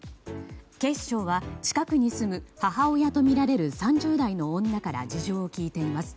警視庁は近くに住む母親とみられる３０代の女から事情を聴いています。